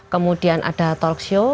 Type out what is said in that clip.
kemudian ada talk show